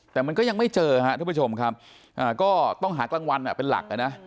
แต่มันก็ยังไม่เจอครับทุกผู้ชมครับก็ต้องหากลางวันเป็นหลักนะ